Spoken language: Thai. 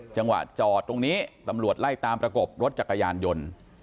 จังหวะจอดตรงนี้ตำรวจไล่ตามประกบรถจักรยานยนต์